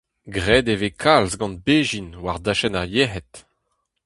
Graet e vez kalz gant bezhin war dachenn ar yec'hed.